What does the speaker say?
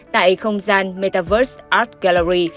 tại không gian metaverse art gallery